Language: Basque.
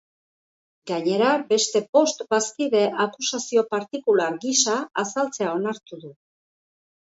Gainera, beste bost bazkide akusazio partikular gisa azaltzea onartu du.